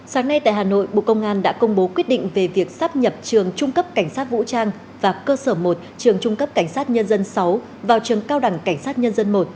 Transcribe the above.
sáng nay tại hà nội bộ công an đã công bố quyết định về việc sắp nhập trường trung cấp cảnh sát vũ trang và cơ sở một trường trung cấp cảnh sát nhân dân sáu vào trường cao đẳng cảnh sát nhân dân một